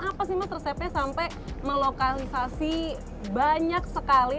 apa sih mas resepnya sampai melokalisasi banyak sekali